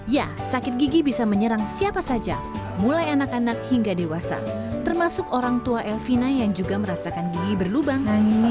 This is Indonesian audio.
ya sakit gigi bisa menyerang siapa saja mulai anak anak hingga dewasa termasuk orang tua elvina yang juga merasakan gigi berlubang